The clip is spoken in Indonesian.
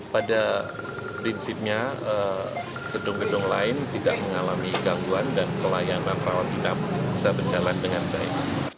pada prinsipnya gedung gedung lain tidak mengalami gangguan dan pelayanan rawat inap bisa berjalan dengan baik